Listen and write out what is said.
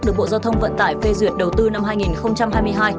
được bộ giao thông vận tải phê duyệt đầu tư năm hai nghìn hai mươi hai